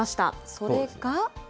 それが。